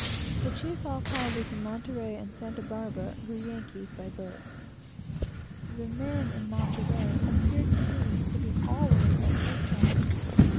The chief alcaldes in Monterey and Santa Barbara were both Yankees by birth. The men in Monterey appeared to me to be always on horseback.